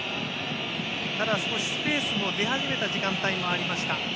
ただ、少しスペースも出始めた時間帯もありました。